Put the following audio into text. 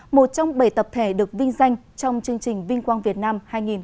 một trong bảy tập thể được vinh danh trong chương trình vinh quang việt nam hai nghìn hai mươi